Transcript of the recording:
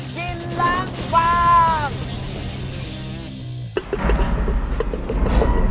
ธีบเต็มที่หัก